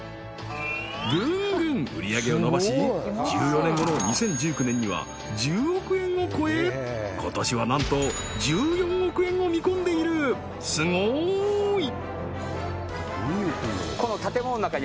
ぐんぐん売り上げを伸ばし１４年後の２０１９年には１０億円を超え今年はなんと１４億円を見込んでいるすごーい！